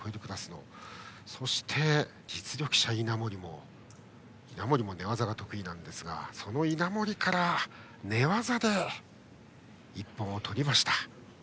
そして、実力者の稲森寝技が得意ですがその稲森から寝技で一本を取りました。